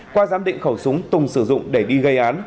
qua giám định khẩu súng tùng sử dụng để đi gây án